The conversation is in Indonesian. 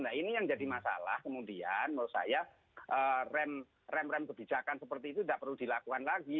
nah ini yang jadi masalah kemudian menurut saya rem rem kebijakan seperti itu tidak perlu dilakukan lagi